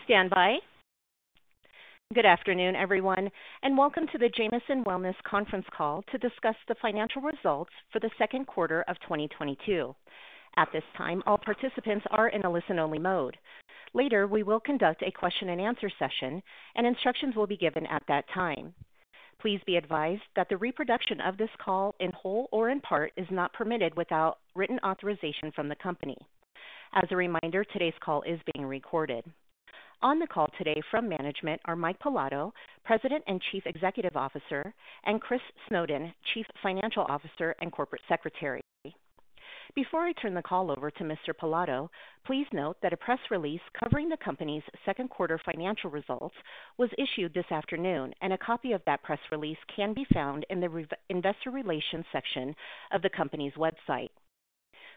Please stand by. Good afternoon, everyone, and welcome to the Jamieson Wellness conference call to discuss the financial results for the second quarter of 2022. At this time, all participants are in a listen-only mode. Later, we will conduct a question and answer session and instructions will be given at that time. Please be advised that the reproduction of this call in whole or in part is not permitted without written authorization from the company. As a reminder, today's call is being recorded. On the call today from management are Mike Pilato, President and Chief Executive Officer, and Christopher Snowden, Chief Financial Officer and Corporate Secretary. Before I turn the call over to Mr. Pilato, please note that a press release covering the company's second quarter financial results was issued this afternoon, and a copy of that press release can be found in the Investor Relations section of the company's website.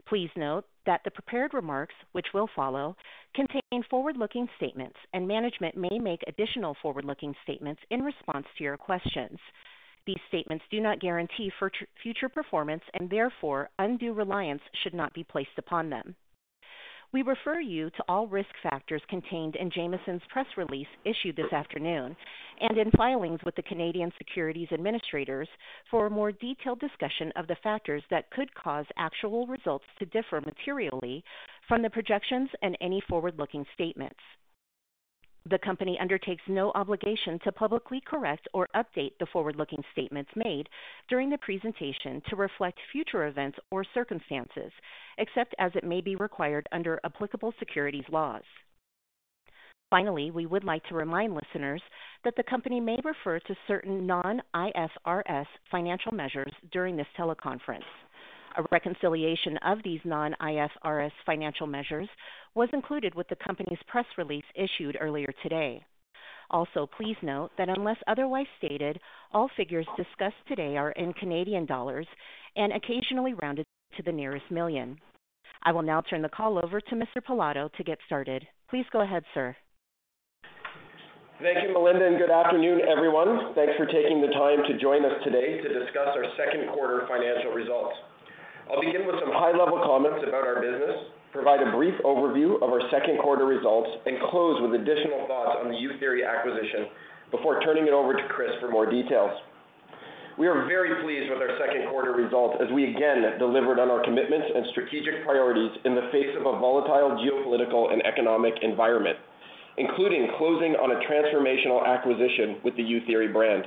Please note that the prepared remarks, which will follow, contain forward-looking statements, and management may make additional forward-looking statements in response to your questions. These statements do not guarantee future performance, and therefore undue reliance should not be placed upon them. We refer you to all risk factors contained in Jamieson's press release issued this afternoon and in filings with the Canadian Securities Administrators for a more detailed discussion of the factors that could cause actual results to differ materially from the projections in any forward-looking statements. The company undertakes no obligation to publicly correct or update the forward-looking statements made during the presentation to reflect future events or circumstances, except as it may be required under applicable securities laws. Finally, we would like to remind listeners that the company may refer to certain non-IFRS financial measures during this teleconference. A reconciliation of these non-IFRS financial measures was included with the company's press release issued earlier today. Also, please note that unless otherwise stated, all figures discussed today are in Canadian dollars and occasionally rounded to the nearest million. I will now turn the call over to Mr. Pilato to get started. Please go ahead, sir. Thank you, Melinda, and good afternoon, everyone. Thanks for taking the time to join us today to discuss our second quarter financial results. I'll begin with some high-level comments about our business, provide a brief overview of our second quarter results, and close with additional thoughts on the Youtheory acquisition before turning it over to Chris for more details. We are very pleased with our second quarter results as we again delivered on our commitments and strategic priorities in the face of a volatile geopolitical and economic environment, including closing on a transformational acquisition with the Youtheory brand.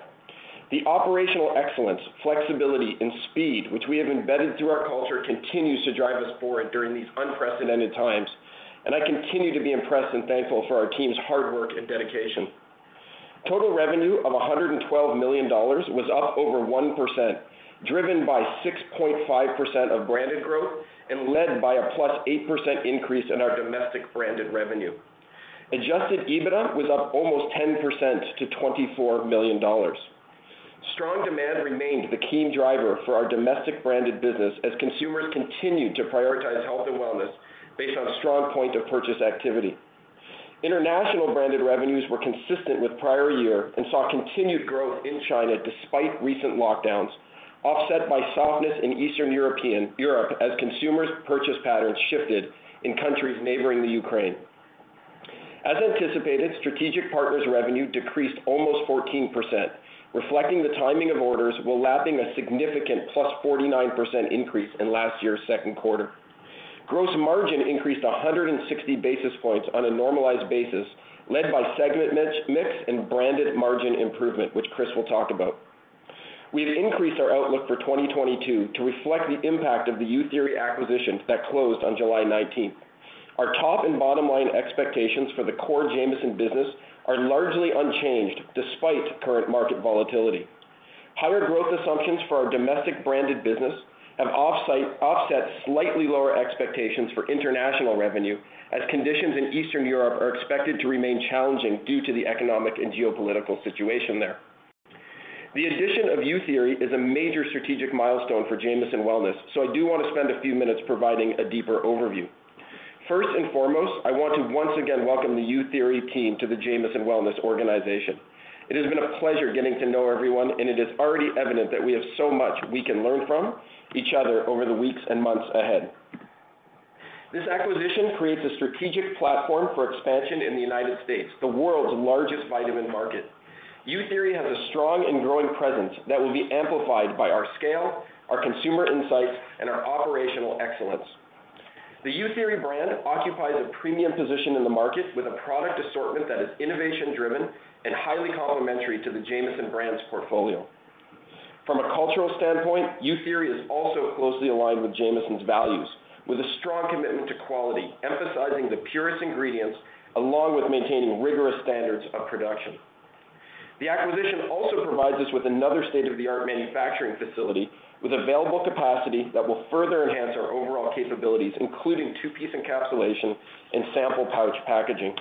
The operational excellence, flexibility, and speed which we have embedded through our culture continues to drive us forward during these unprecedented times, and I continue to be impressed and thankful for our team's hard work and dedication. Total revenue of 112 million dollars was up over 1%, driven by 6.5% of branded growth and led by a +8% increase in our domestic branded revenue. Adjusted EBITDA was up almost 10%-CAD 24 million. Strong demand remained the key driver for our domestic branded business as consumers continued to prioritize health and wellness based on strong point-of-purchase activity. International branded revenues were consistent with prior year and saw continued growth in China despite recent lockdowns, offset by softness in Eastern Europe as consumers' purchase patterns shifted in countries neighboring the Ukraine. As anticipated, strategic partners revenue decreased almost 14%, reflecting the timing of orders while lapping a significant +49% increase in last year's second quarter. Gross margin increased 160 basis points on a normalized basis led by segment mix and branded margin improvement, which Chris will talk about. We've increased our outlook for 2022 to reflect the impact of the Youtheory acquisition that closed on July 19. Our top and bottom line expectations for the core Jamieson business are largely unchanged despite current market volatility. Higher growth assumptions for our domestic branded business have offset slightly lower expectations for international revenue as conditions in Eastern Europe are expected to remain challenging due to the economic and geopolitical situation there. The addition of Youtheory is a major strategic milestone for Jamieson Wellness, so I do want to spend a few minutes providing a deeper overview. First and foremost, I want to once again welcome the Youtheory team to the Jamieson Wellness organization. It has been a pleasure getting to know everyone, and it is already evident that we have so much we can learn from each other over the weeks and months ahead. This acquisition creates a strategic platform for expansion in the United States, the world's largest vitamin market. Youtheory has a strong and growing presence that will be amplified by our scale, our consumer insights, and our operational excellence. The Youtheory brand occupies a premium position in the market with a product assortment that is innovation-driven and highly complementary to the Jamieson Brands portfolio. From a cultural standpoint, Youtheory is also closely aligned with Jamieson's values with a strong commitment to quality, emphasizing the purest ingredients along with maintaining rigorous standards of production. The acquisition also provides us with another state of the art manufacturing facility with available capacity that will further enhance our overall capabilities, including two-piece encapsulation and sample pouch packaging.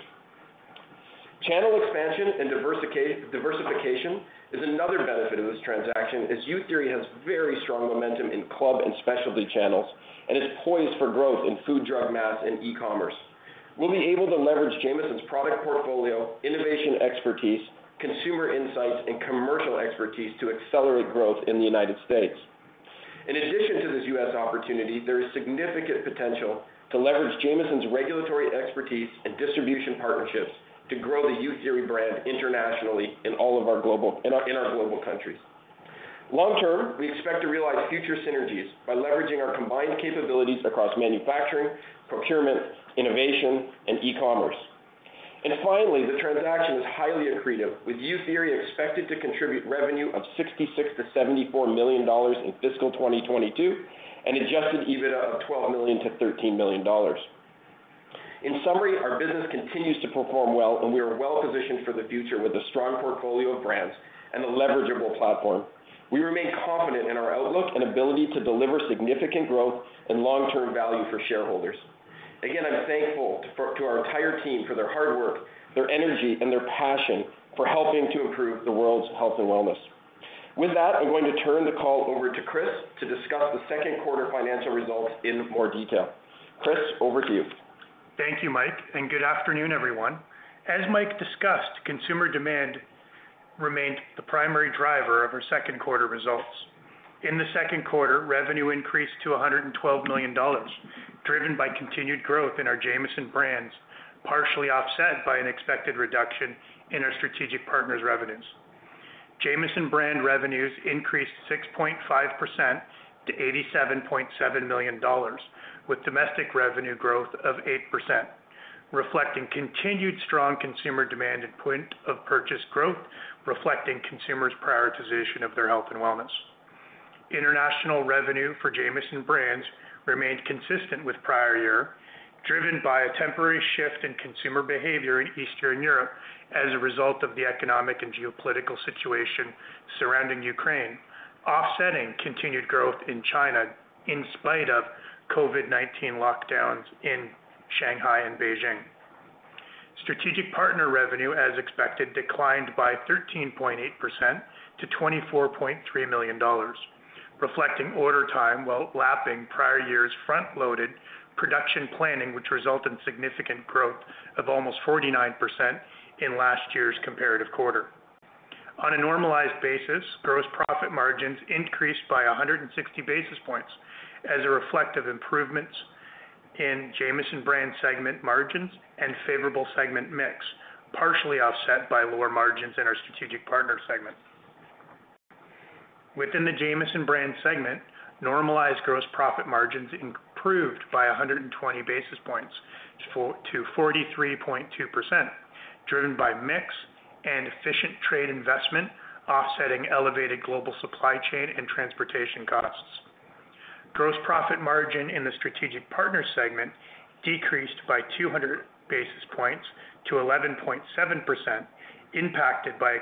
Channel expansion and diversification is another benefit of this transaction, as Youtheory has very strong momentum in club and specialty channels and is poised for growth in food, drug, mass, and e-commerce. We'll be able to leverage Jamieson's product portfolio, innovation expertise, consumer insights, and commercial expertise to accelerate growth in the United States. In addition to this U.S. opportunity, there is significant potential to leverage Jamieson's regulatory expertise and distribution partnerships to grow the Youtheory brand internationally in all of our global countries. Long-term, we expect to realize future synergies by leveraging our combined capabilities across manufacturing, procurement, innovation, and e-commerce. Finally, the transaction is highly accretive, with Youtheory expected to contribute revenue of 66 million-74 million dollars in fiscal 2022, and adjusted EBITDA of 12 million-13 million dollars. In summary, our business continues to perform well, and we are well-positioned for the future with a strong portfolio of brands and a leverageable platform. We remain confident in our outlook and ability to deliver significant growth and long-term value for shareholders. Again, I'm thankful to our entire team for their hard work, their energy, and their passion for helping to improve the world's health and wellness. With that, I'm going to turn the call over to Chris to discuss the second quarter financial results in more detail. Chris, over to you. Thank you, Mike, and good afternoon, everyone. As Mike discussed, consumer demand remained the primary driver of our second quarter results. In the second quarter, revenue increased to 112 million dollars, driven by continued growth in our Jamieson Brands, partially offset by an expected reduction in our strategic partners' revenues. Jamieson Brand revenues increased 6.5%-CAD 87.7 million, with domestic revenue growth of 8%, reflecting continued strong consumer demand and point of purchase growth, reflecting consumers' prioritization of their health and wellness. International revenue for Jamieson Brands remained consistent with prior year, driven by a temporary shift in consumer behavior in Eastern Europe as a result of the economic and geopolitical situation surrounding Ukraine, offsetting continued growth in China in spite of COVID-19 lockdowns in Shanghai and Beijing. Strategic partner revenue, as expected, declined by 13.8%-CAD 24.3 million, reflecting order timing while lapping prior year's front-loaded production planning, which resulted in significant growth of almost 49% in last year's comparative quarter. On a normalized basis, gross profit margins increased by 160 basis points as a result of improvements in Jamieson Brands segment margins and favorable segment mix, partially offset by lower margins in our strategic partner segment. Within the Jamieson Brands segment, normalized gross profit margins improved by 120 basis points to 43.2%, driven by mix and efficient trade investment, offsetting elevated global supply chain and transportation costs. Gross profit margin in the strategic partner segment decreased by 200 basis points to 11.7%, impacted by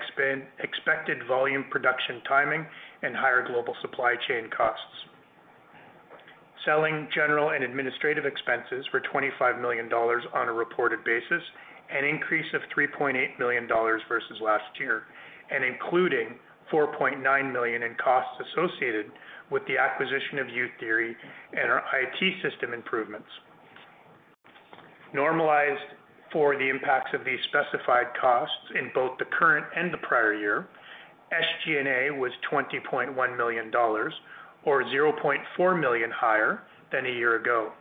expected volume production timing and higher global supply chain costs. Selling, general, and administrative expenses were 25 million dollars on a reported basis, an increase of 3.8 million dollars versus last year, and including 4.9 million in costs associated with the acquisition of Youtheory and our IT system improvements. Normalized for the impacts of these specified costs in both the current and the prior year, SG&A was 20.1 million dollars or 0.4 million higher than a year ago,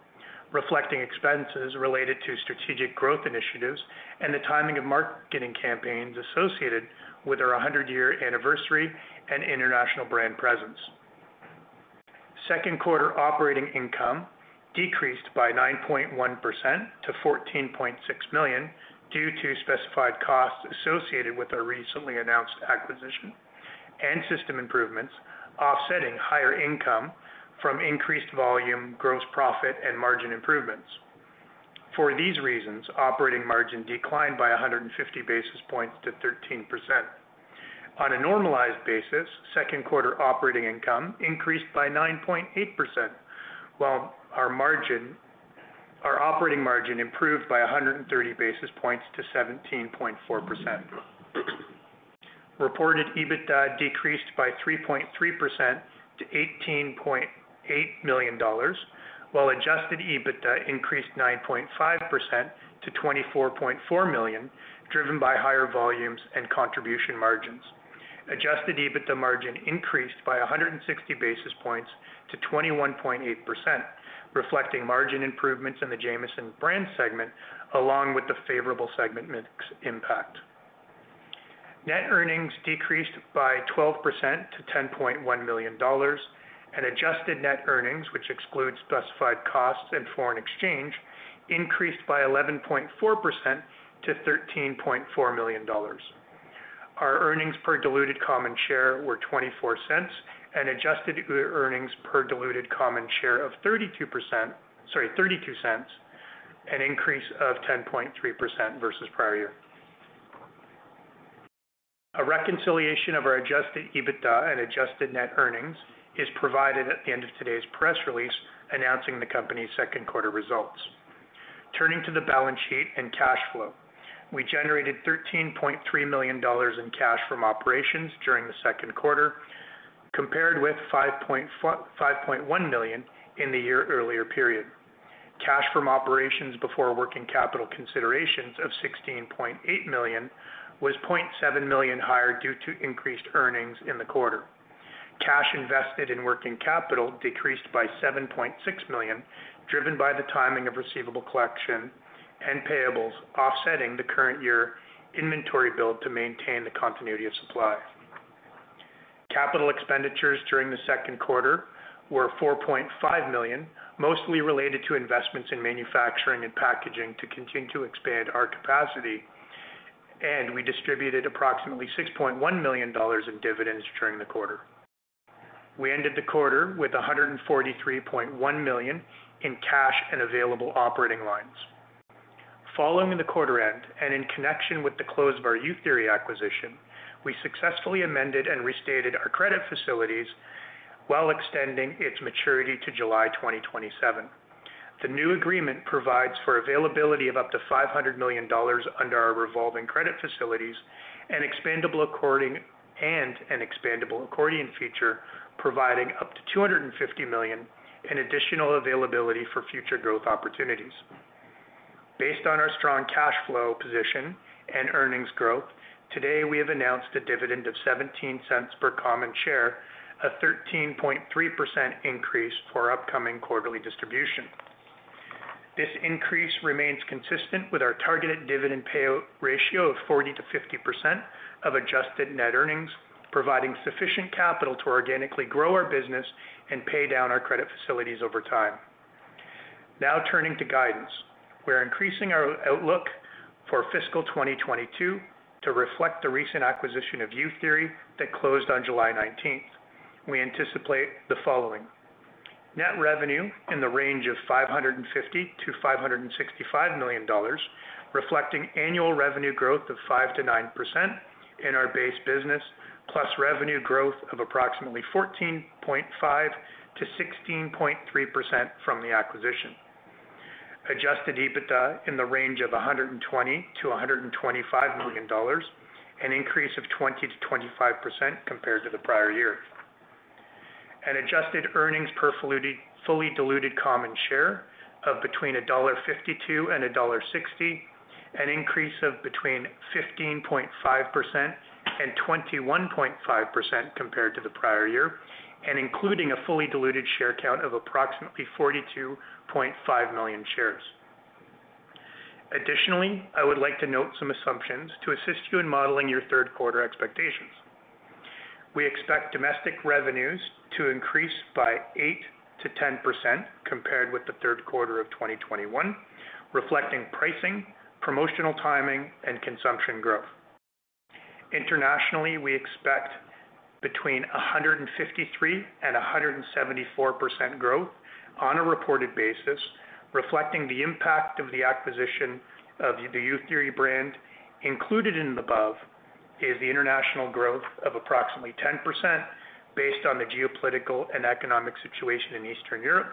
reflecting expenses related to strategic growth initiatives and the timing of marketing campaigns associated with our 100-year anniversary and international brand presence. Second quarter operating income decreased by 9.1% to 14.6 million due to specified costs associated with our recently announced acquisition and system improvements, offsetting higher income from increased volume, gross profit, and margin improvements. For these reasons, operating margin declined by 150 basis points to 13%. On a normalized basis, second quarter operating income increased by 9.8%, while our operating margin improved by 130 basis points to 17.4%. Reported EBITDA decreased by 3.3% to 18.8 million dollars, while adjusted EBITDA increased 9.5% to 24.4 million, driven by higher volumes and contribution margins. Adjusted EBITDA margin increased by 160 basis points to 21.8%, reflecting margin improvements in the Jamieson Brands segment along with the favorable segment mix impact. Net earnings decreased by 12% to 10.1 million dollars, and adjusted net earnings, which excludes specified costs and foreign exchange, increased by 11.4% to 13.4 million dollars. Our earnings per diluted common share were 0.24, and adjusted earnings per diluted common share of 0.32, sorry, an increase of 10.3% versus prior year. A reconciliation of our adjusted EBITDA and adjusted net earnings is provided at the end of today's press release announcing the company's second quarter results. Turning to the balance sheet and cash flow. We generated 13.3 million dollars in cash from operations during the second quarter, compared with 5.1 million in the year-earlier period. Cash from operations before working capital considerations of 16.8 million was 0.7 million higher due to increased earnings in the quarter. Cash invested in working capital decreased by 7.6 million, driven by the timing of receivable collection and payables, offsetting the current year inventory build to maintain the continuity of supply. Capital expenditures during the second quarter were 4.5 million, mostly related to investments in manufacturing and packaging to continue to expand our capacity. We distributed approximately 6.1 million dollars in dividends during the quarter. We ended the quarter with 143.1 million in cash and available operating lines. Following the quarter end and in connection with the close of our Youtheory acquisition, we successfully amended and restated our credit facilities while extending its maturity to July 2027. The new agreement provides for availability of up to 500 million dollars under our revolving credit facilities and an expandable accordion feature providing up to 250 million in additional availability for future growth opportunities. Based on our strong cash flow position and earnings growth, today, we have announced a dividend of 0.17 per common share, a 13.3% increase for upcoming quarterly distribution. This increase remains consistent with our targeted dividend payout ratio of 40%-50% of adjusted net earnings, providing sufficient capital to organically grow our business and pay down our credit facilities over time. Now, turning to guidance. We're increasing our outlook for fiscal 2022 to reflect the recent acquisition of Youtheory that closed on July 19th. We anticipate the following: Net revenue in the range of 550 million-565 million dollars, reflecting annual revenue growth of 5%-9% in our base business, plus revenue growth of approximately 14.5%-16.3% from the acquisition. Adjusted EBITDA in the range of 120 million-125 million dollars, an increase of 20%-25% compared to the prior year. An adjusted earnings per fully diluted common share of between dollar 1.52 and dollar 1.60, an increase of between 15.5% and 21.5% compared to the prior year, and including a fully diluted share count of approximately 42.5 million shares. Additionally, I would like to note some assumptions to assist you in modeling your third quarter expectations. We expect domestic revenues to increase by 8%-10% compared with the third quarter of 2021, reflecting pricing, promotional timing, and consumption growth. Internationally, we expect between 153% and 174% growth on a reported basis, reflecting the impact of the acquisition of the Youtheory brand. Included in the above is the international growth of approximately 10% based on the geopolitical and economic situation in Eastern Europe,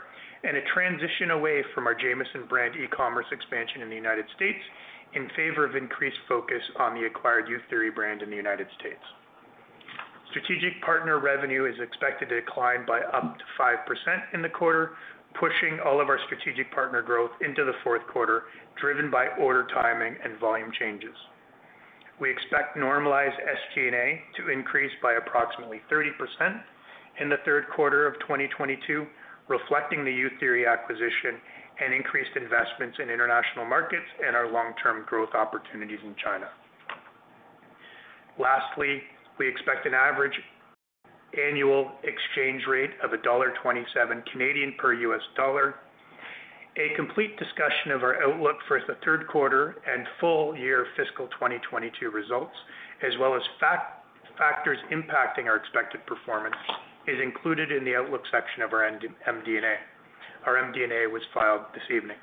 and a transition away from our Jamieson brand e-commerce expansion in the United States in favor of increased focus on the acquired Youtheory brand in the United States. Strategic partner revenue is expected to decline by up to 5% in the quarter, pushing all of our strategic partner growth into the fourth quarter, driven by order timing and volume changes. We expect normalized SG&A to increase by approximately 30% in the third quarter of 2022, reflecting the Youtheory acquisition and increased investments in international markets and our long-term growth opportunities in China. Lastly, we expect an average annual exchange rate of 1.27 Canadian dollars per US dollar. A complete discussion of our outlook for the third quarter and full year fiscal 2022 results, as well as factors impacting our expected performance, is included in the Outlook section of our MD&A. Our MD&A was filed this evening.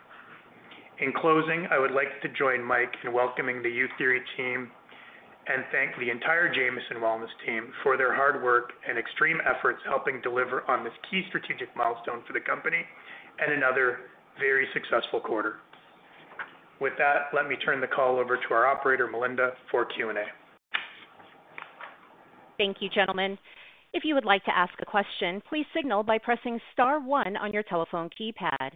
In closing, I would like to join Mike in welcoming the Youtheory team and thank the entire Jamieson Wellness team for their hard work and extreme efforts helping deliver on this key strategic milestone for the company and another very successful quarter. With that, let me turn the call over to our operator, Melinda, for Q&A. Thank you, gentlemen. If you would like to ask a question, please signal by pressing star one on your telephone keypad.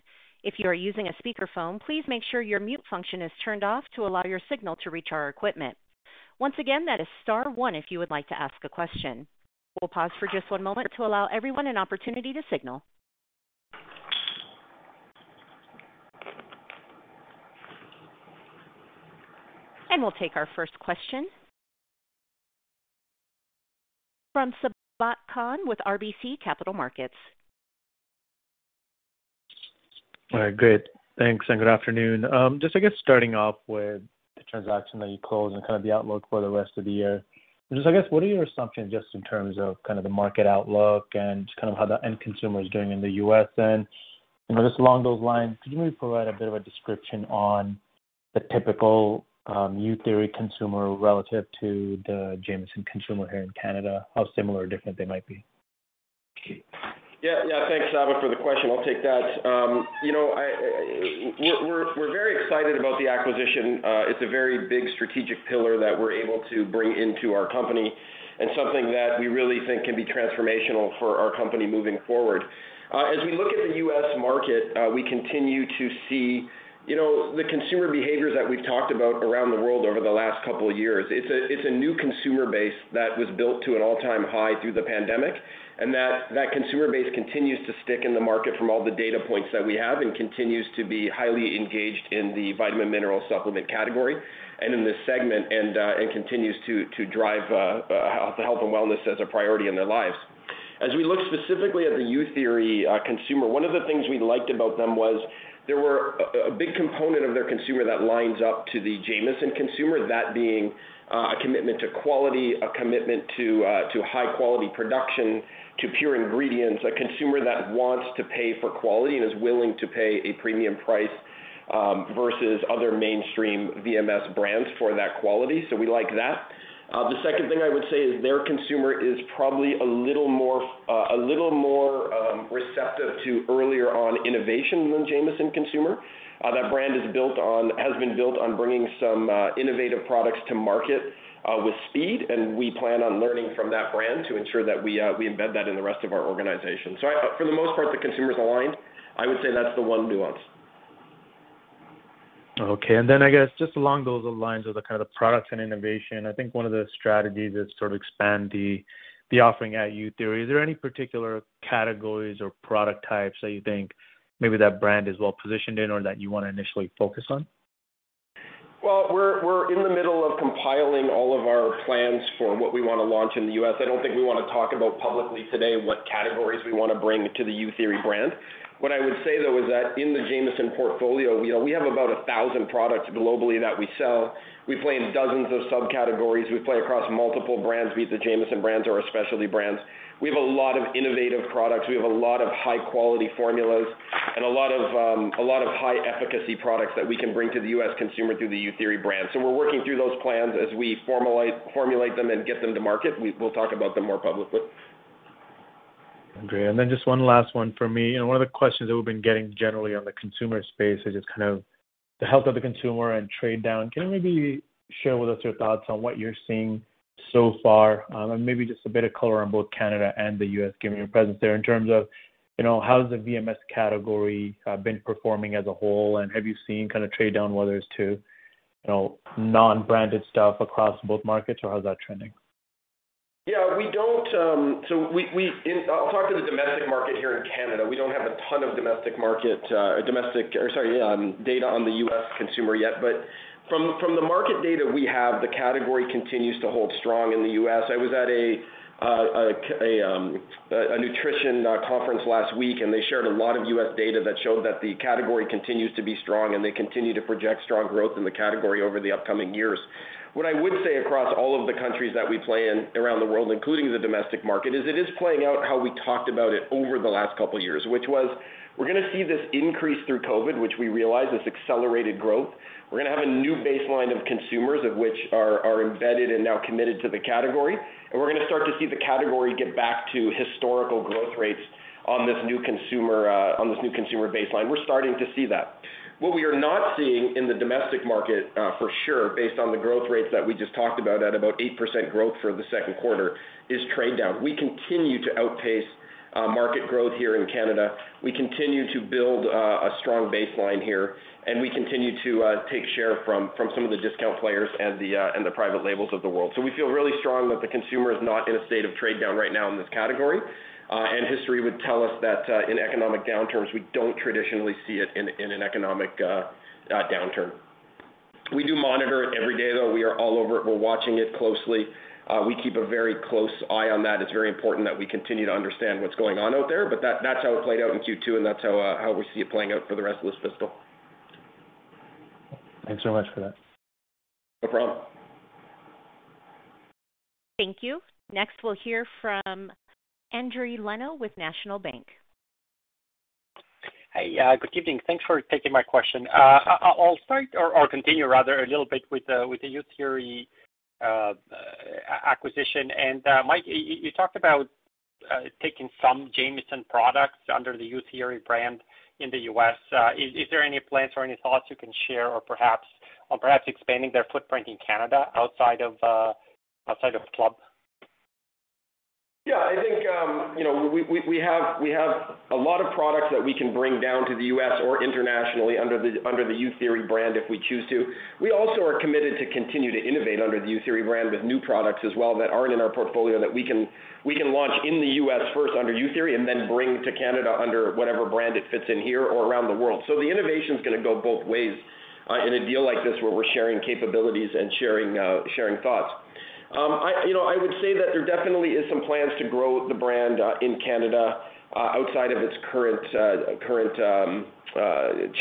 If you are using a speakerphone, please make sure your mute function is turned off to allow your signal to reach our equipment. Once again, that is star one if you would like to ask a question. We'll pause for just one moment to allow everyone an opportunity to signal. We'll take our first question from Sabahat Khan with RBC Capital Markets. All right, great. Thanks, and good afternoon. Just I guess starting off with the transaction that you closed and kind of the outlook for the rest of the year. Just I guess, what are your assumptions just in terms of kind of the market outlook and kind of how the end consumer is doing in the U.S. then? Just along those lines, could you maybe provide a bit of a description on the typical Youtheory consumer relative to the Jamieson consumer here in Canada, how similar or different they might be? Yeah. Thanks, Sabahat, for the question. I'll take that. You know, we're very excited about the acquisition. It's a very big strategic pillar that we're able to bring into our company and something that we really think can be transformational for our company moving forward. As we look at the U.S. market, we continue to see, you know, the consumer behaviors that we've talked about around the world over the last couple of years. It's a new consumer base that was built to an all-time high through the pandemic, and that consumer base continues to stick in the market from all the data points that we have and continues to be highly engaged in the vitamin mineral supplement category and in this segment and continues to drive the health and wellness as a priority in their lives. As we look specifically at the Youtheory consumer, one of the things we liked about them was there were a big component of their consumer that lines up to the Jamieson consumer, that being a commitment to quality, a commitment to high-quality production, to pure ingredients, a consumer that wants to pay for quality and is willing to pay a premium price versus other mainstream VMS brands for that quality. We like that. The second thing I would say is their consumer is probably a little more receptive to early on innovation than Jamieson consumer. That brand has been built on bringing some innovative products to market with speed, and we plan on learning from that brand to ensure that we embed that in the rest of our organization. For the most part, the consumer is aligned. I would say that's the one nuance. Okay. I guess just along those lines of the kind of products and innovation, I think one of the strategies is sort of expand the offering at Youtheory. Is there any particular categories or product types that you think maybe that brand is well positioned in or that you wanna initially focus on? Well, we're in the middle of compiling all of our plans for what we wanna launch in the U.S. I don't think we wanna talk about publicly today what categories we wanna bring to the Youtheory brand. What I would say, though, is that in the Jamieson portfolio, you know, we have about 1,000 products globally that we sell. We play in dozens of subcategories. We play across multiple brands, be it the Jamieson Brands or our specialty brands. We have a lot of innovative products. We have a lot of high-quality formulas and a lot of high efficacy products that we can bring to the U.S. consumer through the Youtheory brand. We're working through those plans as we formalize, formulate them and get them to market. We'll talk about them more publicly. Okay. Just one last one for me. You know, one of the questions that we've been getting generally on the consumer space is just kind of the health of the consumer and trade down. Can you maybe share with us your thoughts on what you're seeing so far, and maybe just a bit of color on both Canada and the U.S., given your presence there, in terms of, you know, how has the VMS category been performing as a whole, and have you seen kinda trade down, whether it's to, you know, non-branded stuff across both markets, or how's that trending? I'll talk to the domestic market here in Canada. We don't have a ton of domestic market data on the U.S. consumer yet. From the market data we have, the category continues to hold strong in the U.S.. I was at a nutrition conference last week, and they shared a lot of U.S. data that showed that the category continues to be strong, and they continue to project strong growth in the category over the upcoming years. What I would say across all of the countries that we play in around the world, including the domestic market, is it is playing out how we talked about it over the last couple of years, which was, we're gonna see this increase through COVID, which we realize this accelerated growth. We're gonna have a new baseline of consumers of which are embedded and now committed to the category, and we're gonna start to see the category get back to historical growth rates on this new consumer baseline. We're starting to see that. What we are not seeing in the domestic market, for sure, based on the growth rates that we just talked about at about 8% growth for the second quarter, is trade down. We continue to outpace market growth here in Canada. We continue to build a strong baseline here, and we continue to take share from some of the discount players and the private labels of the world. We feel really strong that the consumer is not in a state of trade down right now in this category. History would tell us that in economic downturns, we don't traditionally see it in an economic downturn. We do monitor it every day, though. We are all over it. We're watching it closely. We keep a very close eye on that. It's very important that we continue to understand what's going on out there, but that's how it played out in Q2, and that's how we see it playing out for the rest of this fiscal. Thanks so much for that. No problem. Thank you. Next, we'll hear from Endri Leno with National Bank. Hey. Good evening. Thanks for taking my question. I'll start or continue rather a little bit with the Youtheory acquisition. Mike, you talked about taking some Jamieson products under the Youtheory brand in the U.S.. Is there any plans or any thoughts you can share or perhaps expanding their footprint in Canada outside of club? Yeah. I think, you know, we have a lot of products that we can bring down to the U.S. or internationally under the Youtheory brand if we choose to. We also are committed to continue to innovate under the Youtheory brand with new products as well that aren't in our portfolio that we can launch in the U.S. first under Youtheory and then bring to Canada under whatever brand it fits in here or around the world. The innovation's gonna go both ways, in a deal like this where we're sharing capabilities and sharing thoughts. I would say that there definitely is some plans to grow the brand in Canada outside of its current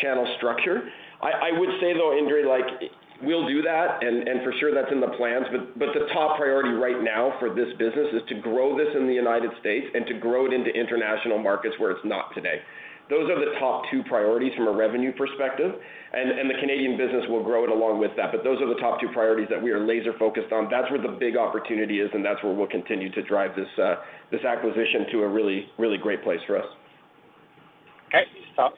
channel structure. I would say, though, Endri, like we'll do that, and for sure that's in the plans. The top priority right now for this business is to grow this in the United States and to grow it into international markets where it's not today. Those are the top two priorities from a revenue perspective. The Canadian business will grow it along with that. Those are the top two priorities that we are laser-focused on. That's where the big opportunity is, and that's where we'll continue to drive this acquisition to a really great place for us. Okay.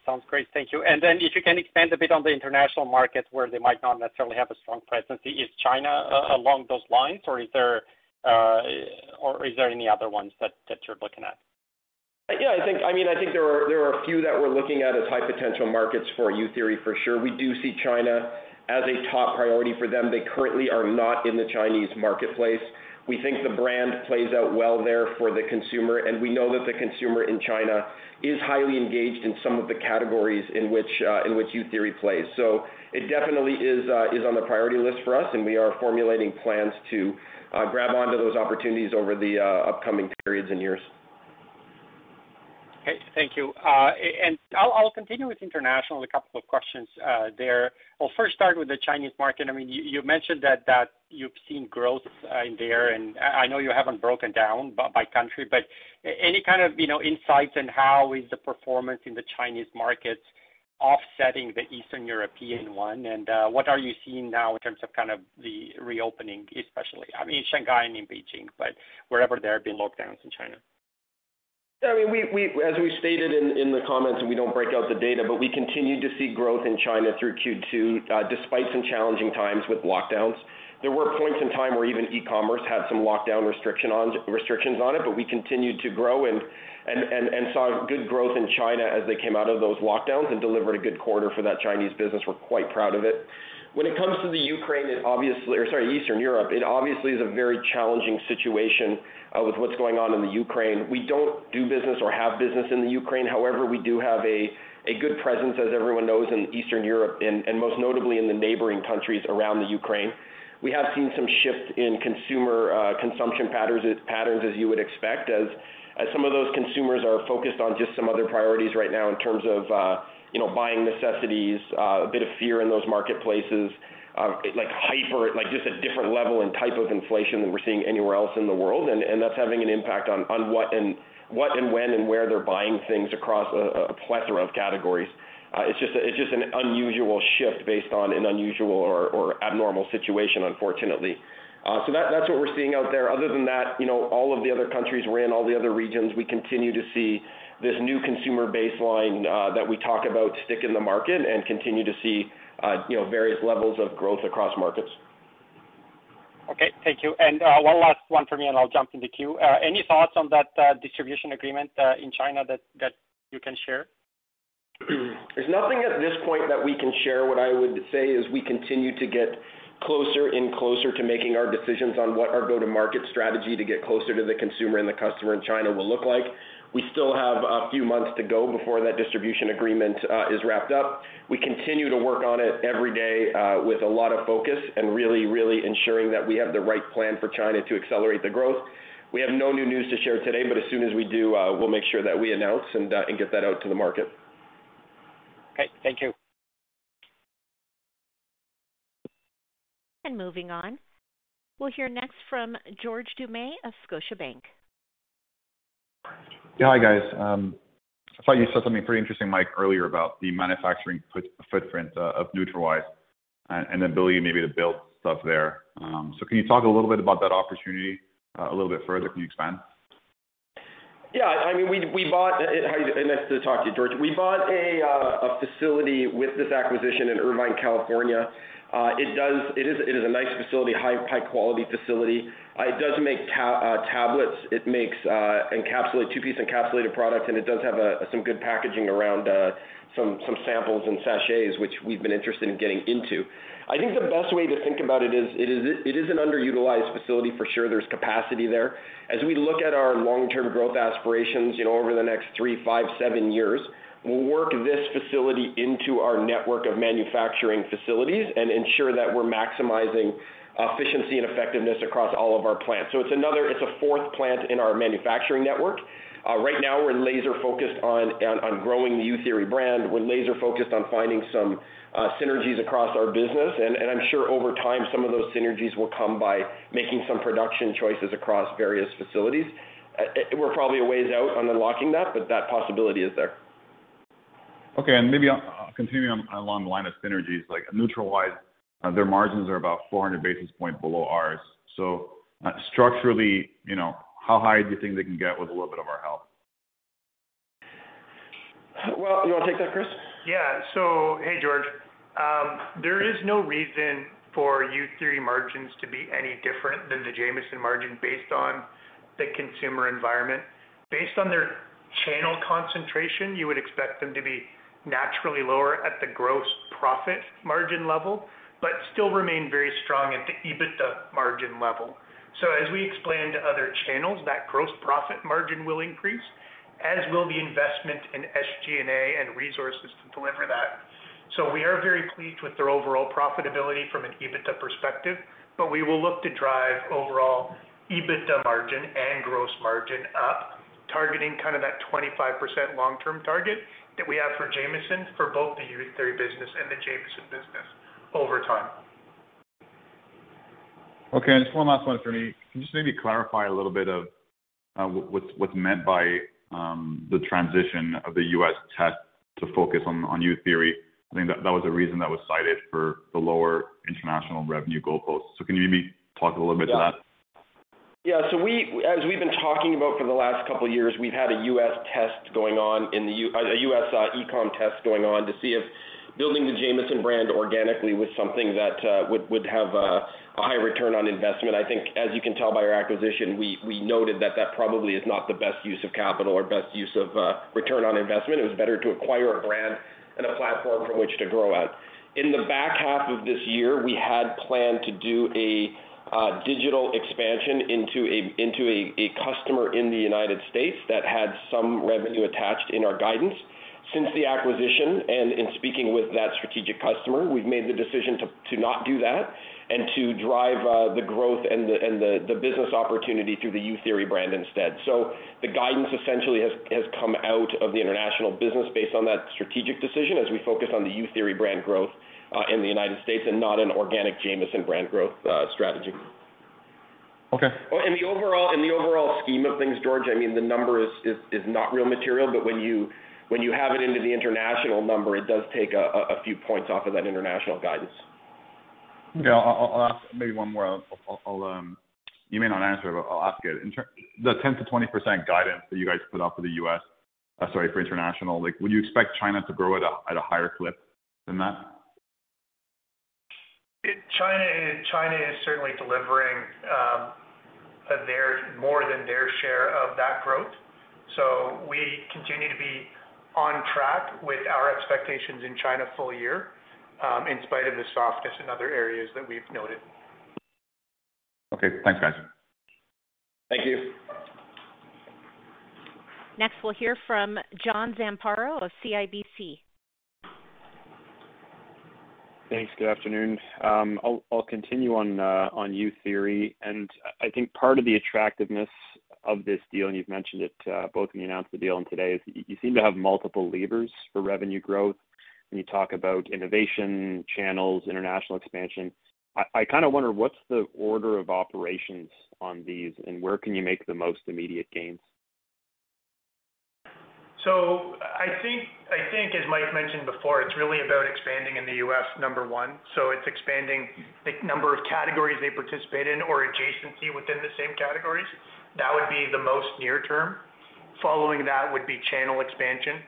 Sounds great. Thank you. If you can expand a bit on the international markets where they might not necessarily have a strong presence, is China along those lines, or is there any other ones that you're looking at? Yeah, I think, I mean, I think there are a few that we're looking at as high potential markets for Youtheory for sure. We do see China as a top priority for them. They currently are not in the Chinese marketplace. We think the brand plays out well there for the consumer, and we know that the consumer in China is highly engaged in some of the categories in which Youtheory plays. It definitely is on the priority list for us, and we are formulating plans to grab onto those opportunities over the upcoming periods and years. Okay. Thank you. I'll continue with international, a couple of questions, there. I'll first start with the Chinese market. I mean, you mentioned that you've seen growth in there, and I know you haven't broken down by country, but any kind of, you know, insights on how is the performance in the Chinese markets offsetting the Eastern European one? What are you seeing now in terms of kind of the reopening especially, I mean, in Shanghai and in Beijing, but wherever there have been lockdowns in China? I mean, we as we stated in the comments, and we don't break out the data, but we continue to see growth in China through Q2, despite some challenging times with lockdowns. There were points in time where even e-commerce had some lockdown restrictions on it, but we continued to grow and saw good growth in China as they came out of those lockdowns and delivered a good quarter for that Chinese business. We're quite proud of it. When it comes to the Ukraine, it obviously, or sorry, Eastern Europe, it obviously is a very challenging situation with what's going on in the Ukraine. We don't do business or have business in the Ukraine. However, we do have a good presence, as everyone knows, in Eastern Europe and most notably in the neighboring countries around the Ukraine. We have seen some shifts in consumer consumption patterns as you would expect, as some of those consumers are focused on just some other priorities right now in terms of you know, buying necessities, a bit of fear in those marketplaces, like hyper, like just a different level and type of inflation than we're seeing anywhere else in the world. That's having an impact on what and when and where they're buying things across a plethora of categories. It's just an unusual shift based on an unusual or abnormal situation, unfortunately. That's what we're seeing out there. Other than that, you know, all of the other countries we're in, all the other regions, we continue to see this new consumer baseline, that we talk about stick in the market and continue to see, you know, various levels of growth across markets. Okay. Thank you. One last one for me, and I'll jump in the queue. Any thoughts on that distribution agreement in China that you can share? There's nothing at this point that we can share. What I would say is we continue to get closer and closer to making our decisions on what our go-to-market strategy to get closer to the consumer and the customer in China will look like. We still have a few months to go before that distribution agreement is wrapped up. We continue to work on it every day with a lot of focus and really, really ensuring that we have the right plan for China to accelerate the growth. We have no new news to share today, but as soon as we do, we'll make sure that we announce and get that out to the market. Okay. Thank you. Moving on. We'll hear next from George Doumet of Scotiabank. Yeah. Hi, guys. I thought you said something pretty interesting, Mike, earlier about the manufacturing footprint of Nutrawise and the ability maybe to build stuff there. Can you talk a little bit about that opportunity a little bit further? Can you expand? I mean, nice to talk to you, George. We bought a facility with this acquisition in Irvine, California. It is a nice facility, high quality facility. It does make tablets. It makes two-piece encapsulated product, and it does have some good packaging around some samples and sachets which we've been interested in getting into. I think the best way to think about it is, it is an underutilized facility for sure. There's capacity there. As we look at our long-term growth aspirations, you know, over the next three, five, seven years, we'll work this facility into our network of manufacturing facilities and ensure that we're maximizing efficiency and effectiveness across all of our plants. It's a fourth plant in our manufacturing network. Right now we're laser focused on growing the Youtheory brand. We're laser focused on finding some synergies across our business. I'm sure over time, some of those synergies will come by making some production choices across various facilities. We're probably a ways out on unlocking that, but that possibility is there. Okay. Maybe continuing along the line of synergies, like Nutrawise, their margins are about 400 basis points below ours. Structurally, you know, how high do you think they can get with a little bit of our help? Well, you wanna take that, Chris? Yeah, hey, George. There is no reason for Youtheory margins to be any different than the Jamieson margin based on the consumer environment. Based on their channel concentration, you would expect them to be naturally lower at the gross profit margin level, but still remain very strong at the EBITDA margin level. As we explain to other channels, that gross profit margin will increase, as will the investment in SG&A and resources to deliver that. We are very pleased with their overall profitability from an EBITDA perspective, but we will look to drive overall EBITDA margin and gross margin up, targeting kind of that 25% long-term target that we have for Jamieson for both the Youtheory business and the Jamieson business over time. Okay. Just one last one for me. Can you just maybe clarify a little bit of what's meant by the transition of the U.S. test to focus on Youtheory? I think that was a reason that was cited for the lower international revenue goalposts. Can you maybe talk a little bit to that? We, as we've been talking about for the last couple of years, we've had a U.S. test going on in a U.S. e-com test going on to see if building the Jamieson brand organically was something that would have a high return on investment. I think as you can tell by our acquisition, we noted that that probably is not the best use of capital or best use of return on investment. It was better to acquire a brand and a platform from which to grow out. In the back half of this year, we had planned to do a digital expansion into a customer in the United States that had some revenue attached in our guidance. Since the acquisition, and in speaking with that strategic customer, we've made the decision to not do that and to drive the growth and the business opportunity through the Youtheory brand instead. The guidance essentially has come out of the international business based on that strategic decision as we focus on the Youtheory brand growth in the United States and not an organic Jamieson brand growth strategy. Okay. Oh, the overall scheme of things, George, I mean, the number is not really material, but when you add it into the international number, it does take a few points off of that international guidance. Okay. I'll ask maybe one more. You may not answer, but I'll ask it. The 10%-20% guidance that you guys put up for the U.S., sorry, for international, like would you expect China to grow at a higher clip than that? China is certainly delivering more than their share of that growth. We continue to be on track with our expectations in China full year, in spite of the softness in other areas that we've noted. Okay. Thanks, guys. Thank you. Next, we'll hear from John Zamparo of CIBC. Thanks. Good afternoon. I'll continue on Youtheory, and I think part of the attractiveness of this deal, and you've mentioned it, both when you announced the deal and today, is you seem to have multiple levers for revenue growth when you talk about innovation channels, international expansion. I kind of wonder what's the order of operations on these, and where can you make the most immediate gains? I think as Mike mentioned before, it's really about expanding in the U.S. number one. It's expanding the number of categories they participate in or adjacency within the same categories. That would be the most near term. Following that would be channel expansion,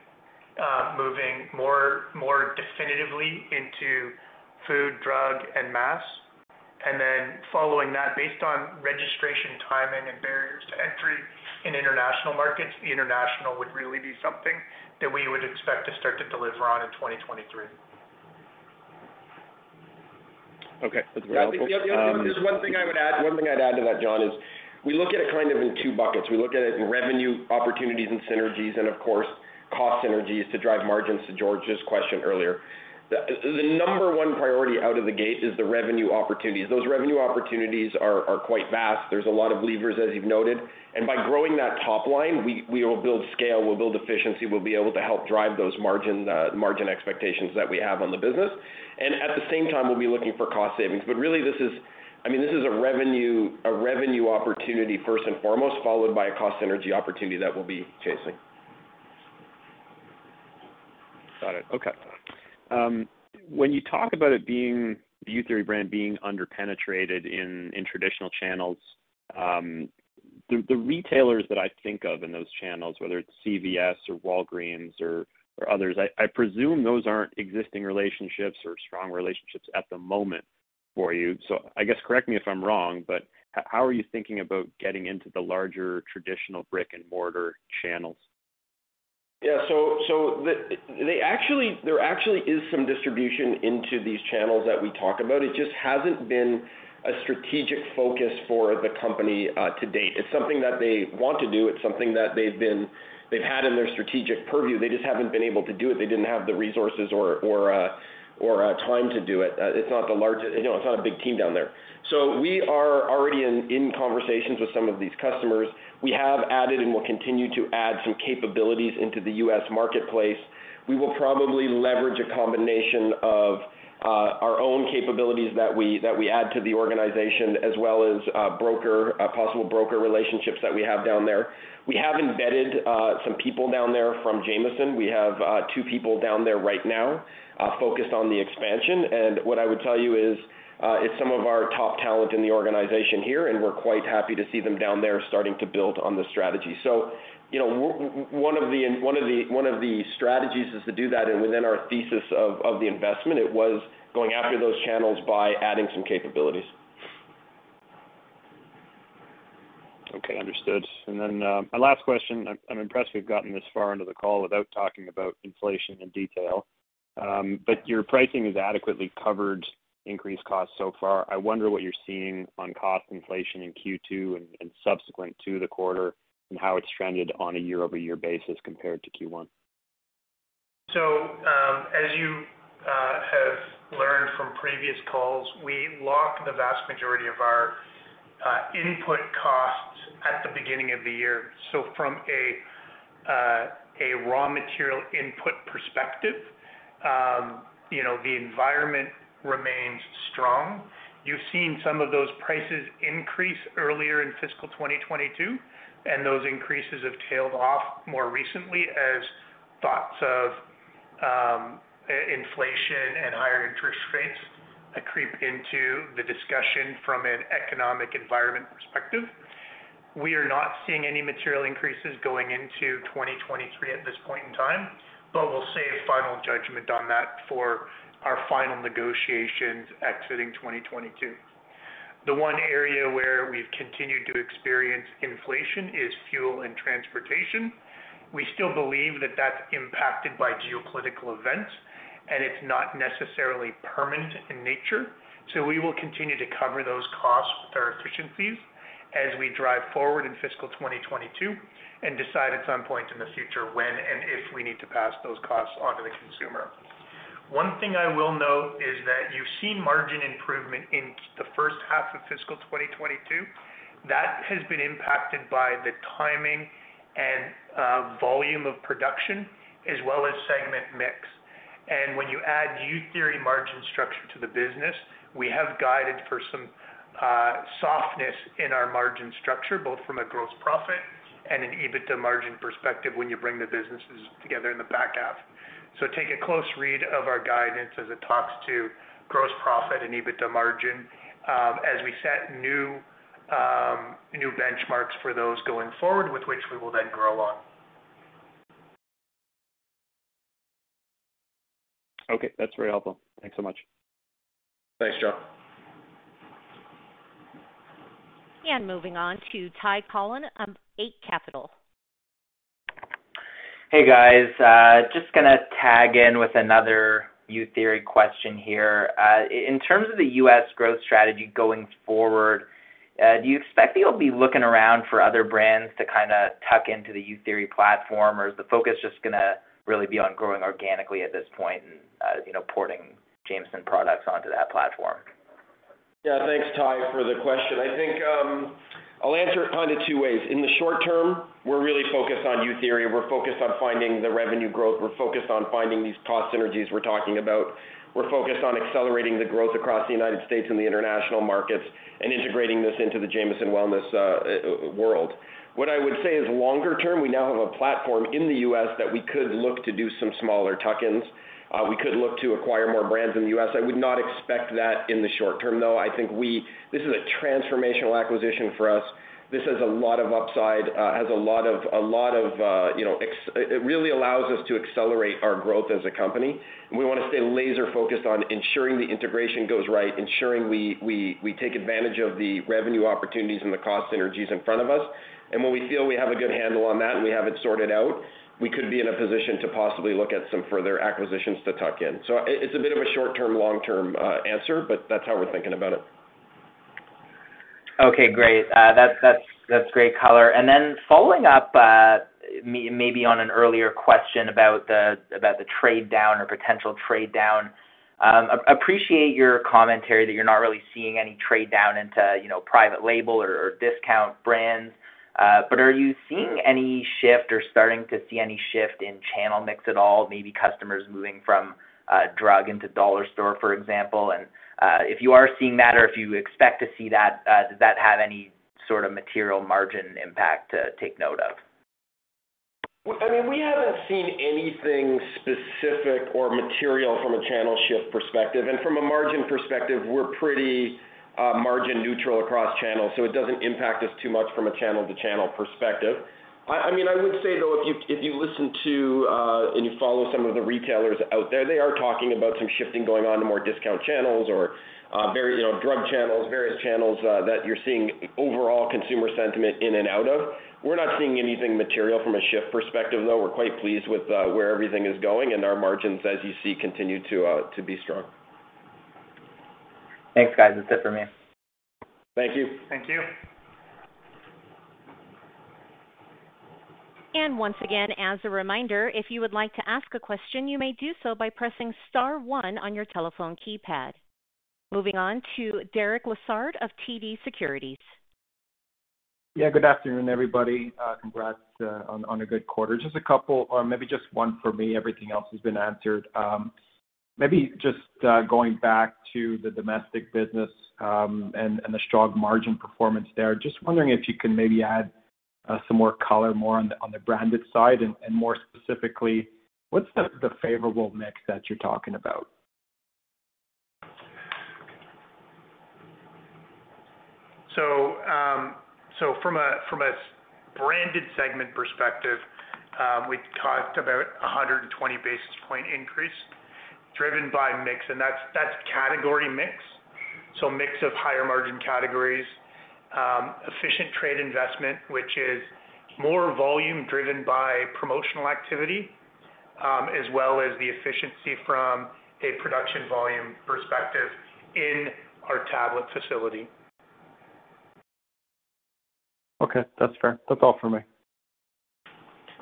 moving more definitively into food, drug, and mass. Then following that, based on registration timing and barriers to entry in international markets, the international would really be something that we would expect to start to deliver on in 2023. Okay. That's very helpful. The other thing, there's one thing I would add. One thing I'd add to that, John, is we look at it kind of in two buckets. We look at it in revenue opportunities and synergies and of course cost synergies to drive margins to George's question earlier. The number one priority out of the gate is the revenue opportunities. Those revenue opportunities are quite vast. There's a lot of levers, as you've noted. By growing that top line, we will build scale, we'll build efficiency, we'll be able to help drive those margin expectations that we have on the business. At the same time, we'll be looking for cost savings. Really this is, I mean, this is a revenue opportunity first and foremost, followed by a cost synergy opportunity that we'll be chasing. Got it. Okay. When you talk about it being the Youtheory brand being under-penetrated in traditional channels, the retailers that I think of in those channels, whether it's CVS or Walgreens or others, I presume those aren't existing relationships or strong relationships at the moment for you. I guess correct me if I'm wrong, but how are you thinking about getting into the larger traditional brick-and-mortar channels? Yeah. There actually is some distribution into these channels that we talk about. It just hasn't been a strategic focus for the company to date. It's something that they want to do. It's something that they've had in their strategic purview. They just haven't been able to do it. They didn't have the resources or time to do it. You know, it's not a big team down there. We are already in conversations with some of these customers. We have added and will continue to add some capabilities into the U.S. marketplace. We will probably leverage a combination of our own capabilities that we add to the organization as well as possible broker relationships that we have down there. We have embedded some people down there from Jamieson. We have two people down there right now focused on the expansion. What I would tell you is, it's some of our top talent in the organization here, and we're quite happy to see them down there starting to build on the strategy. You know, one of the strategies is to do that. Within our thesis of the investment, it was going after those channels by adding some capabilities. Okay. Understood. My last question, I'm impressed we've gotten this far into the call without talking about inflation in detail. Your pricing has adequately covered increased costs so far. I wonder what you're seeing on cost inflation in Q2 and subsequent to the quarter and how it's trended on a year-over-year basis compared to Q1. As you have learned from previous calls, we lock the vast majority of our input costs at the beginning of the year. From a raw material input perspective, you know, the environment remains strong. You've seen some of those prices increase earlier in fiscal 2022, and those increases have tailed off more recently as thoughts of inflation and higher interest rates creep into the discussion from an economic environment perspective. We are not seeing any material increases going into 2023 at this point in time, but we'll save final judgment on that for our final negotiations exiting 2022. The one area where we've continued to experience inflation is fuel and transportation. We still believe that that's impacted by geopolitical events, and it's not necessarily permanent in nature. We will continue to cover those costs with our efficiencies as we drive forward in fiscal 2022 and decide at some point in the future when and if we need to pass those costs on to the consumer. One thing I will note is that you've seen margin improvement in the first half of fiscal 2022. That has been impacted by the timing and volume of production as well as segment mix. When you add Youtheory margin structure to the business, we have guided for some softness in our margin structure, both from a gross profit and an EBITDA margin perspective when you bring the businesses together in the back half. Take a close read of our guidance as it talks to gross profit and EBITDA margin, as we set new benchmarks for those going forward with which we will then grow on. Okay, that's very helpful. Thanks so much. Thanks, John. Moving on to Ty Collin of Eight Capital. Hey, guys, just gonna tag in with another Youtheory question here. In terms of the U.S. growth strategy going forward, do you expect that you'll be looking around for other brands to kinda tuck into the Youtheory platform? Or is the focus just gonna really be on growing organically at this point and, you know, porting Jamieson products onto that platform? Yeah. Thanks, Ty, for the question. I think, I'll answer it kind of two ways. In the short term, we're really focused on Youtheory. We're focused on finding the revenue growth. We're focused on finding these cost synergies we're talking about. We're focused on accelerating the growth across the United States and the international markets and integrating this into the Jamieson Wellness world. What I would say is longer term, we now have a platform in the U.S. that we could look to do some smaller tuck-ins. We could look to acquire more brands in the U.S.. I would not expect that in the short term, though. I think. This is a transformational acquisition for us. This has a lot of upside, has a lot of, you know, ex. It really allows us to accelerate our growth as a company, and we wanna stay laser-focused on ensuring the integration goes right, ensuring we take advantage of the revenue opportunities and the cost synergies in front of us. When we feel we have a good handle on that and we have it sorted out, we could be in a position to possibly look at some further acquisitions to tuck in. It's a bit of a short-term, long-term answer, but that's how we're thinking about it. Okay, great. That's great color. Then following up, maybe on an earlier question about the trade down or potential trade down, appreciate your commentary that you're not really seeing any trade down into, you know, private label or discount brands. Are you seeing any shift or starting to see any shift in channel mix at all, maybe customers moving from drug into dollar store, for example? If you are seeing that or if you expect to see that, does that have any sort of material margin impact to take note of? Well, I mean, we haven't seen anything specific or material from a channel shift perspective. From a margin perspective, we're pretty margin neutral across channels, so it doesn't impact us too much from a channel-to-channel perspective. I mean, I would say, though, if you listen to and you follow some of the retailers out there, they are talking about some shifting going on to more discount channels or very, you know, drug channels, various channels that you're seeing overall consumer sentiment in and out of. We're not seeing anything material from a shift perspective, though. We're quite pleased with where everything is going and our margins, as you see, continue to be strong. Thanks, guys. That's it for me. Thank you. Thank you. Once again, as a reminder, if you would like to ask a question, you may do so by pressing star one on your telephone keypad. Moving on to Derek Lessard of TD Securities. Yeah, good afternoon, everybody. Congrats on a good quarter. Just a couple or maybe just one for me. Everything else has been answered. Maybe just going back to the domestic business and the strong margin performance there. Just wondering if you can maybe add some more color more on the branded side, and more specifically, what's the favorable mix that you're talking about? From a branded segment perspective, we've talked about a 120 basis point increase driven by mix, and that's category mix. Mix of higher margin categories, efficient trade investment, which is more volume driven by promotional activity, as well as the efficiency from a production volume perspective in our tablet facility. Okay, that's fair. That's all for me.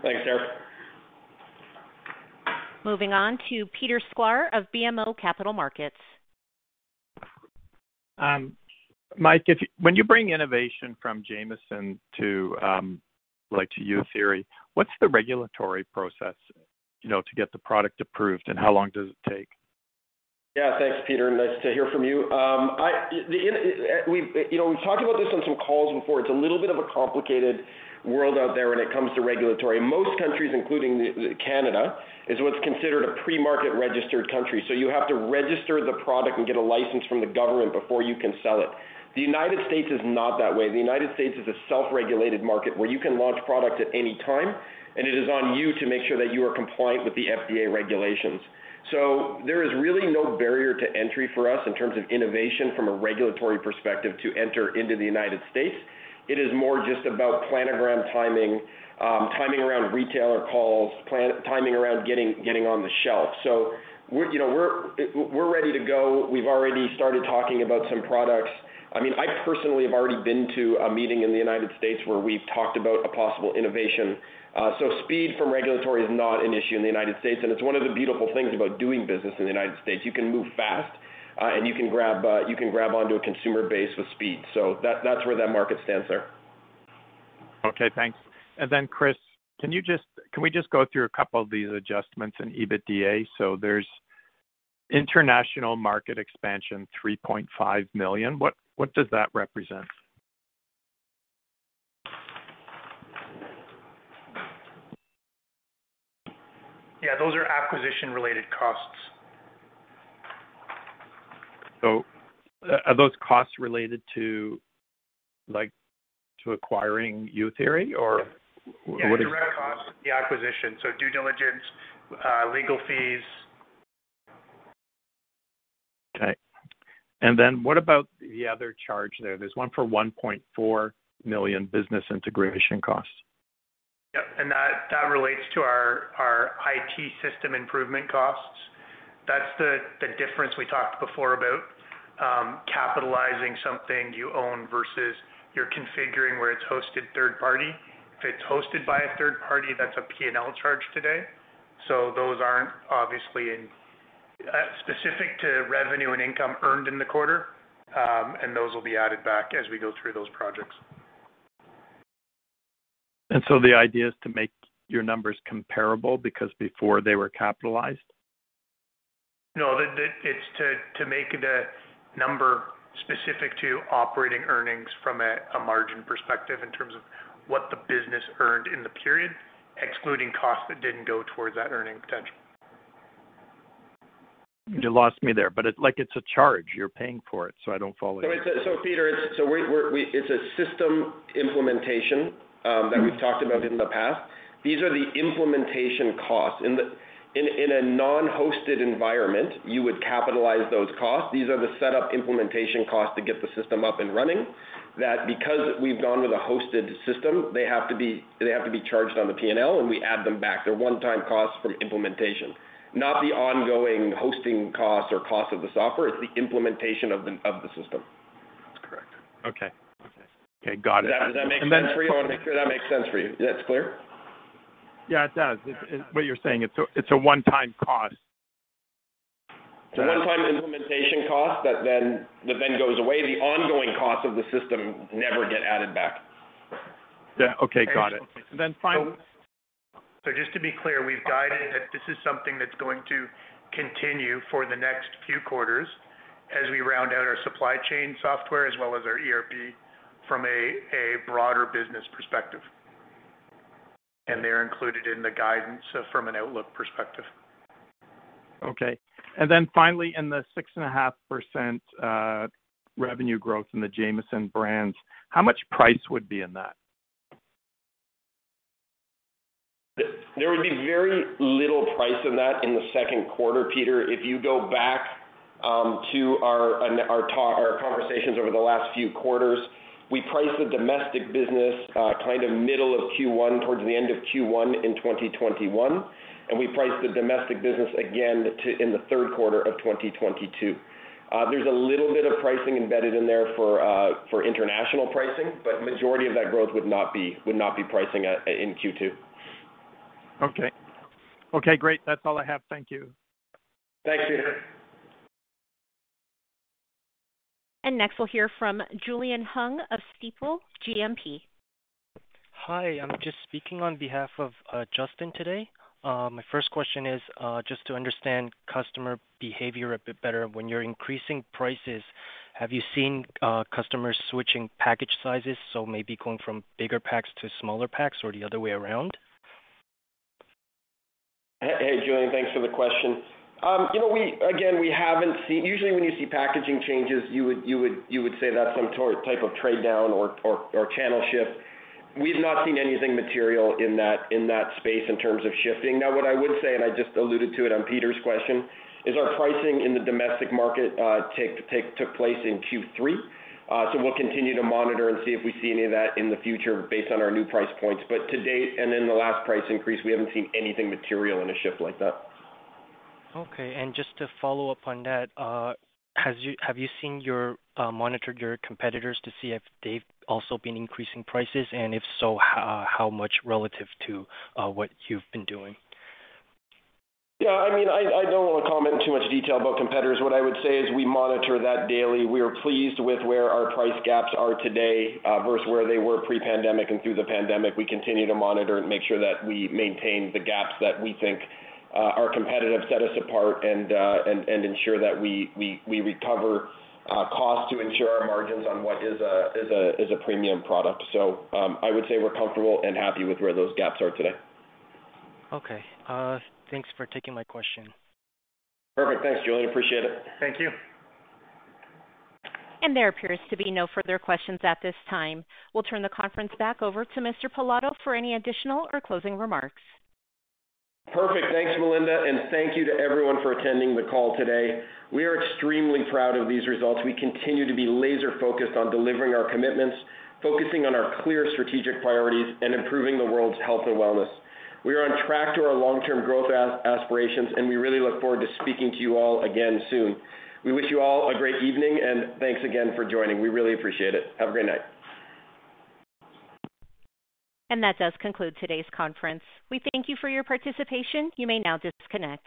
Thanks, Derek. Moving on to Peter Sklar of BMO Capital Markets. Mike, when you bring innovation from Jamieson to, like to Youtheory, what's the regulatory process, you know, to get the product approved, and how long does it take? Yeah. Thanks, Peter, and nice to hear from you. We've talked about this on some calls before. It's a little bit of a complicated world out there when it comes to regulatory. Most countries, including Canada, is what's considered a pre-market registered country. So you have to register the product and get a license from the government before you can sell it. The United States is not that way. The United States is a self-regulated market where you can launch products at any time, and it is on you to make sure that you are compliant with the FDA regulations. So there is really no barrier to entry for us in terms of innovation from a regulatory perspective to enter into the United States. It is more just about planogram timing around retailer calls, timing around getting on the shelf. We're, you know, ready to go. We've already started talking about some products. I mean, I personally have already been to a meeting in the United States where we've talked about a possible innovation. Speed from regulatory is not an issue in the United States, and it's one of the beautiful things about doing business in the United States. You can move fast, and you can grab onto a consumer base with speed. That's where that market stands there. Okay, thanks. Chris, can we just go through a couple of these adjustments in EBITDA? There's international market expansion, 3.5 million. What does that represent? Yeah. Those are acquisition-related costs. Are those costs related to like, to acquiring Youtheory or- Yes. What is- Yeah, direct costs of the acquisition, so due diligence, legal fees. Okay. What about the other charge there? There's one for 1.4 million business integration costs. Yep. That relates to our IT system improvement costs. That's the difference we talked before about capitalizing something you own versus you're configuring where it's hosted third party. If it's hosted by a third party, that's a P&L charge today. Those aren't obviously specific to revenue and income earned in the quarter, and those will be added back as we go through those projects. The idea is to make your numbers comparable because before they were capitalized? No. It's to make the number specific to operating earnings from a margin perspective in terms of what the business earned in the period, excluding costs that didn't go towards that earning potential. You lost me there, but it, like, it's a charge. You're paying for it, so I don't follow you. Peter, it's a system implementation that we've talked about in the past. These are the implementation costs. In a non-hosted environment, you would capitalize those costs. These are the setup implementation costs to get the system up and running that because we've gone with a hosted system, they have to be charged on the P&L, and we add them back. They're one-time costs from implementation, not the ongoing hosting costs or cost of the software. It's the implementation of the system. That's correct. Okay, got it. Does that make sense for you? And then- I wanna make sure that makes sense for you. Is that clear? Yeah, it does. What you're saying, it's a one-time cost. It's a one-time implementation cost that then goes away. The ongoing cost of the system never get added back. Yeah. Okay. Got it. And then final- Just to be clear, we've guided that this is something that's going to continue for the next few quarters as we round out our supply chain software as well as our ERP from a broader business perspective. They're included in the guidance from an outlook perspective. Okay. Finally, in the 6.5% revenue growth in the Jamieson Brands, how much price would be in that? There would be very little pricing in that in the second quarter, Peter. If you go back to our conversations over the last few quarters, we priced the domestic business kind of middle of Q1 towards the end of Q1 in 2021, and we priced the domestic business again in the third quarter of 2022. There's a little bit of pricing embedded in there for international pricing, but majority of that growth would not be pricing in Q2. Okay. Okay, great. That's all I have. Thank you. Thanks, Peter. Next, we'll hear from Julian Hung of Stifel GMP. Hi. I'm just speaking on behalf of Justin today. My first question is just to understand customer behavior a bit better. When you're increasing prices, have you seen customers switching package sizes, so maybe going from bigger packs to smaller packs or the other way around? Hey, Julian. Thanks for the question. You know, again, we haven't seen. Usually, when you see packaging changes, you would say that's some type of trade down or channel shift. We've not seen anything material in that space in terms of shifting. Now, what I would say, and I just alluded to it on Peter's question, is our pricing in the domestic market took place in Q3. So we'll continue to monitor and see if we see any of that in the future based on our new price points. To date and in the last price increase, we haven't seen anything material in a shift like that. Okay. Just to follow up on that, have you monitored your competitors to see if they've also been increasing prices? If so, how much relative to what you've been doing? Yeah. I mean, I don't wanna comment in too much detail about competitors. What I would say is we monitor that daily. We are pleased with where our price gaps are today, versus where they were pre-pandemic and through the pandemic. We continue to monitor and make sure that we maintain the gaps that we think are competitive, set us apart and ensure that we recover cost to ensure our margins on what is a premium product. I would say we're comfortable and happy with where those gaps are today. Okay. Thanks for taking my question. Perfect. Thanks, Julian. Appreciate it. Thank you. There appears to be no further questions at this time. We'll turn the conference back over to Mr. Pilato for any additional or closing remarks. Perfect. Thanks, Melinda, and thank you to everyone for attending the call today. We are extremely proud of these results. We continue to be laser-focused on delivering our commitments, focusing on our clear strategic priorities, and improving the world's health and wellness. We are on track to our long-term growth aspirations, and we really look forward to speaking to you all again soon. We wish you all a great evening, and thanks again for joining. We really appreciate it. Have a great night. That does conclude today's conference. We thank you for your participation. You may now disconnect.